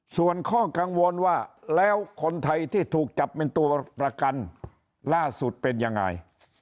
ส่วนข้อกังวลว่าแล้วคนไทยที่ถูกจับเป็นตัวประกันล่าสุดเป็นยังไง